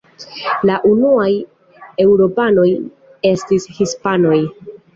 La unuaj eŭropanoj estis hispanoj.